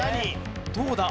どうだ？